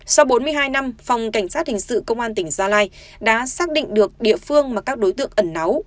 sau bốn mươi hai năm phòng cảnh sát hình sự công an tỉnh gia lai đã xác định được địa phương mà các đối tượng ẩn náu